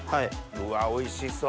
うわおいしそう。